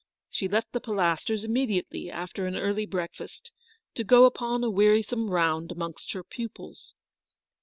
She left the Pilasters immediately after an early breakfast, to go upon a wearisome round amongst her pupils.